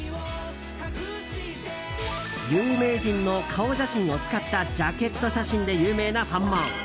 有名人の顔写真を使ったジャケット写真で有名なファンモン。